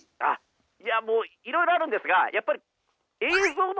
いやもういろいろあるんですがやっぱりあそうね。